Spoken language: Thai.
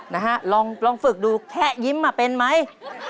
นะฮะลองฝึกดูแค่ยิ้มอ่ะเป็นไหม